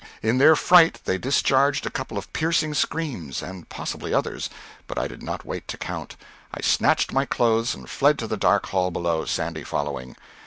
In their fright they discharged a couple of piercing screams and possibly others, but I did not wait to count. I snatched my clothes and fled to the dark hall below, Sandy following.